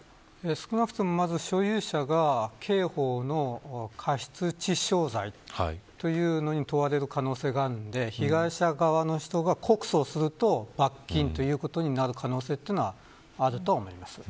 少なくとも所有者が刑法の過失致傷罪というのに問われる可能性があるので被害者側の人が告訴をすると罰金ということになる可能性はあると思います。